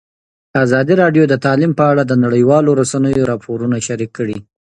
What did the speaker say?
ازادي راډیو د تعلیم په اړه د نړیوالو رسنیو راپورونه شریک کړي.